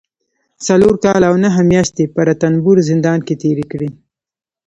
څلور کاله او نهه مياشتې په رنتنبور زندان کې تېرې کړي